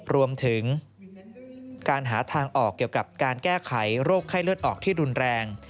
รวมถึงการหาทางออกเกี่ยวกับการแก้ไขโรคไข้เลือดออกที่รุนแรง